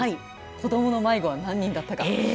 子どもの迷子は何人だったか。